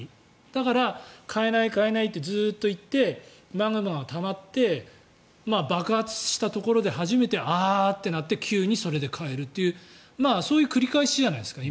だから、変えないとずっと言ってマグマがたまって爆発したところで初めてああ！ってなって急にそれで変えるっていうそういう繰り返しじゃないですか